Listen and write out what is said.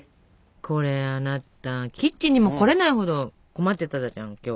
これあなたキッチンにも来れないほど困ってたじゃん今日。